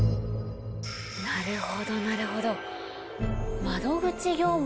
なるほどなるほど。